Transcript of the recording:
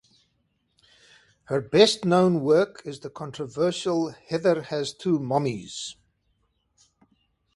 Her best-known work is the controversial "Heather Has Two Mommies".